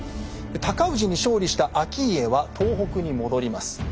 尊氏に勝利した顕家は東北に戻ります。